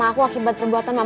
aku nunggu disini